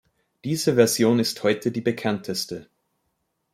Diese Version ist heute die bekannteste.